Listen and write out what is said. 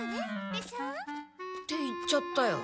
でしょう？って行っちゃったよ。